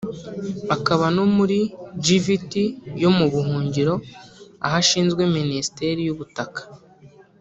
akaba no muri Gvt yo mu buhungiro aho ashinzwe Minisiteri y’ubutaka